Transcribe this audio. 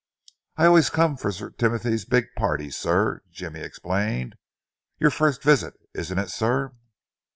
"I always come for Sir Timothy's big parties, sir," Jimmy explained. "Your first visit, isn't it, sir?"